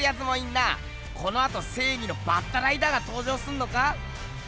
このあとせいぎのバッタライダーがとうじょうすんのか？